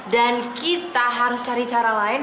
dan kita harus cari cara lain